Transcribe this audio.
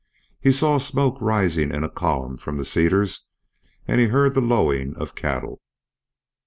He saw smoke rising in a column from the cedars, and he heard the lowing of cattle.